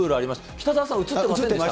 北澤さん、映ってました？